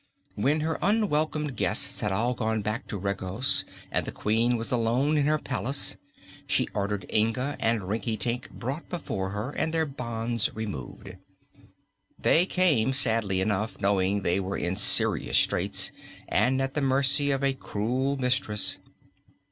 When her unwelcome guests had all gone back to Regos and the Queen was alone in her palace, she ordered Inga and Rinkitink brought before her and their bonds removed. They came sadly enough, knowing they were in serious straits and at the mercy of a cruel mistress.